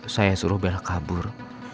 saya suruh bella kabur